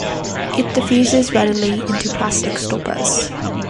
It diffuses readily into plastic stoppers.